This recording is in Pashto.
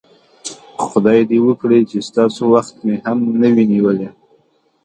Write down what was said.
خدای دې وکړي چې ستاسو وخت مې هم نه وي نیولی.